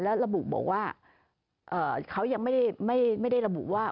แล้วระบุบอกว่าเขายังไม่ได้ระบุว่า